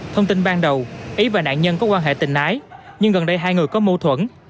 thông tin ban đầu ý và nạn nhân có quan hệ tình ái nhưng gần đây hai người có mâu thuẫn